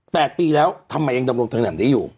แตกตีแล้วทำไมยังดำรงตนอำนาจเลยอยู่